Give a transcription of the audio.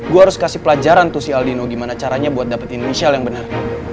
gue harus kasih pelajaran tuh si aldino gimana caranya buat dapetin inisial yang benar